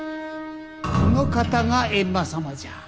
この方が閻魔様じゃ。